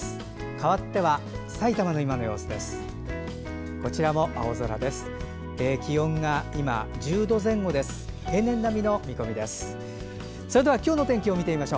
かわってはさいたまの今の様子です。